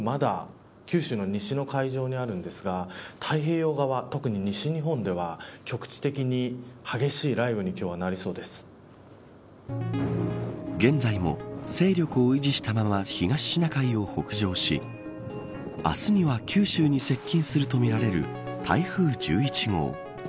今日はまだ台風は九州の西の海上にあるんですが太平洋側、特に西日本では局地的に激しい雷雨に現在も勢力を維持したまま東シナ海を北上し明日には九州に接近するとみられる台風１１号。